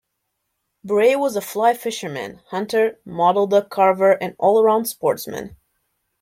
Bray was a fly fisherman, hunter, model duck carver, and all-around sportsman.